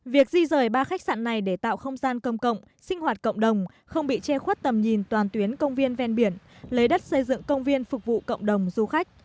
việc di rời ba khách sạn này để tạo không gian công cộng sinh hoạt cộng đồng không bị che khuất tầm nhìn toàn tuyến công viên ven biển lấy đất xây dựng công viên phục vụ cộng đồng du khách